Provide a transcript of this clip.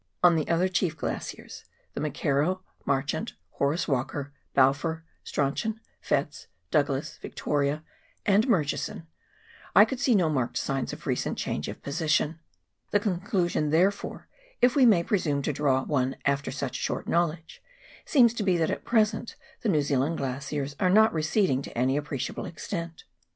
On the other chief glaciers, the McKerrow, Mar chant, Horace "Walker, Balfour, Strauchon, Fettes, Douglas, Victoria, and Murchison, I could see no marked signs of recent change of position. The conclusion, therefore, if we may pre sume to draw one after such short knowledge, seems to be that at present the New Zealand glaciers are not receding to any appreciable extent.